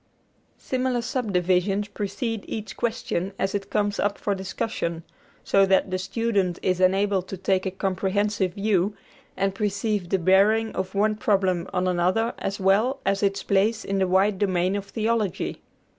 Similar subdivisions precede each question as it comes up for discussion, so that the student is enabled to take a comprehensive view, and perceive the bearing of one problem on another as well as its place in the wide domain of theology.